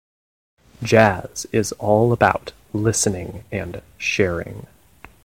Jazz is all about listening and sharing.